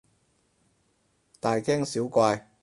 大驚小怪